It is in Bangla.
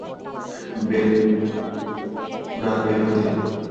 না বের হতে।